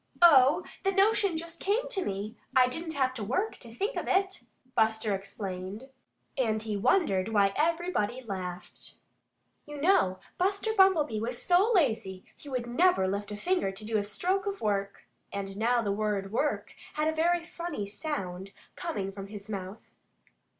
"Oh, the notion just came to me. I didn't have to WORK, to think of it," Buster explained. And he wondered why everybody laughed. You know, Buster Bumblebee was so lazy that he never would lift a finger to do a stroke of work. And now the word "work" had a very funny sound, coming from his mouth.